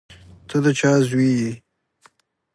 ته د چا زوی یې؟